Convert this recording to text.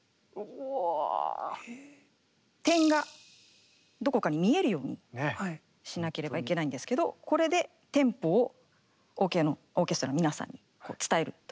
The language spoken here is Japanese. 点がどこかに見えるようにしなければいけないんですけどこれでテンポをオーケストラの皆さんに伝えるという。